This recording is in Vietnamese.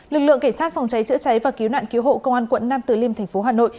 lực lượng cảnh sát phòng cháy chữa cháy và cứu nạn cứu hộ công an quận nam từ liêm thành phố hà nội